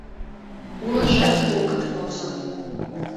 — Улыжат огыт возо.